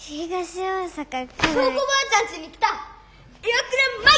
祥子ばあちゃんちに来た岩倉舞！